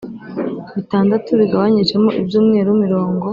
bitandatu bigabanyijemo ibyumweru mirongo